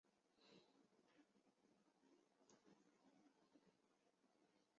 载宁站是位于朝鲜民主主义人民共和国黄海南道载宁郡载宁邑的一个铁路车站。